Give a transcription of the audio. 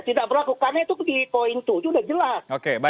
tidak berlaku karena itu di point dua itu sudah jelas